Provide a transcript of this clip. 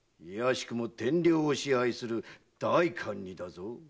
いやしくも天領を支配する代官にだぞ。